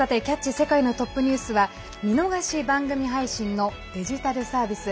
世界のトップニュース」は見逃し配信のデジタルサービス